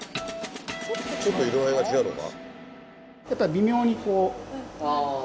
ちょっと色合いが違うとか？